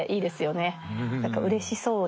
何かうれしそうで。